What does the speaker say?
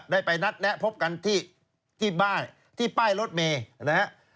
ได้ไปนัดแนะพบกันที่บ้านที่ป้ายรถเมย์นะฮะ